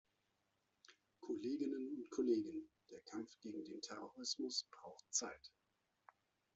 Kolleginnen und Kollegen. Der Kampf gegen den Terrorismus braucht Zeit.